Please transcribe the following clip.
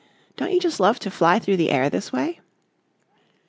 "Don't you just love to fly through the air this way?"